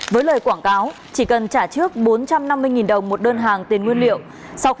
với lời quảng cáo chỉ cần trả trước bốn trăm năm mươi đồng một đơn hàng tiền nguyên liệu